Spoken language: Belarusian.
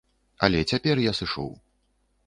Але цяпер я сышоў.